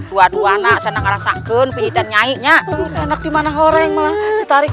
dua dua anak sana ngerasakan pilih dan nyai nya anak dimana orang malah ditarik